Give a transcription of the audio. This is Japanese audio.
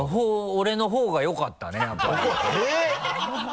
俺のほうがよかったねやっぱり。えっ？